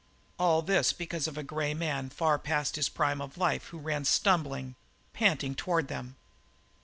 And all this because of a grey man far past the prime of life who ran stumbling, panting, toward them.